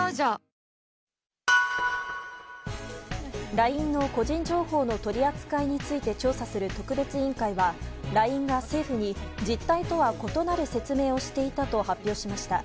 ＬＩＮＥの個人情報の取り扱いについて調査する特別委員会はＬＩＮＥが政府に実態とは異なる説明をしていたと発表しました。